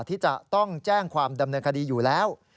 ที่จะต้องแจ้งความดำเนินคดีอยู่แล้ว